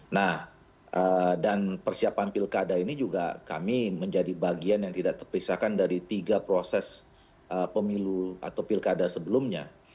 nah dan persiapan pilkada ini juga kami menjadi bagian yang tidak terpisahkan dari tiga proses pemilu atau pilkada sebelumnya